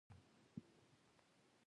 د کرکټ لوبې ډېر خلک د برمې و غورځول.